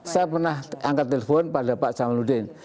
saya pernah angkat telepon pada pak jamaludin